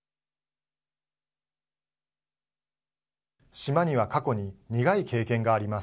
島には過去に苦い経験があります。